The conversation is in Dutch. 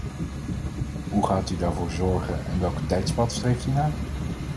Hoe gaat u daarvoor zorgen en welk tijdpad streeft u na?